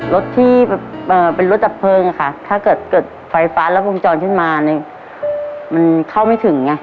รถที่เป็นรถดับเพลิงอะค่ะถ้าเกิดเกิดไฟฟ้ารัดวงจรขึ้นมามันเข้าไม่ถึงไง